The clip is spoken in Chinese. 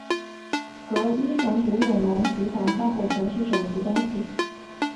和英雄独眼龙及反派火神是手足关系。